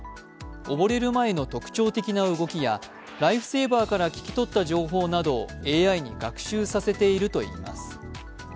溺れる前の特徴的な動きやライフセーバーから聞き取った情報などをＡＩに学習させているといいます。